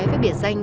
với biệt danh